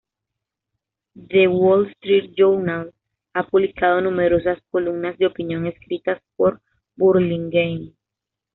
The"Wall Street Journal" ha publicado numerosas columnas de opinión escritas por Burlingame.